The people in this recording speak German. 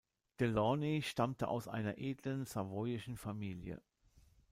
De Launay stammte aus einer edlen savoyischen Familie.